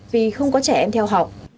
vì không có trẻ em theo học